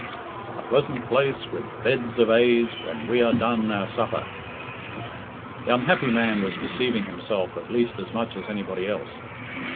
"A pleasant place, With beds of aise, When we are done our supper." The unhappy man was deceiving himself at least as much as anybody else.